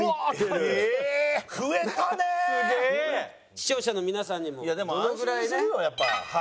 視聴者の皆さんにもどのぐらいね。